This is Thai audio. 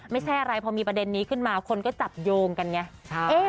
ไม่ใช่อะไรพอมีประเด็นนี้ขึ้นมาคนก็จับโยงกันไง